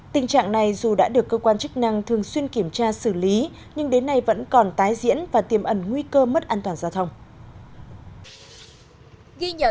tình trạng này dù đã được cơ quan chức năng thường xuyên kiểm tra xử lý nhưng đến nay vẫn còn tái diễn và tiềm ẩn nguy cơ mất an toàn giao thông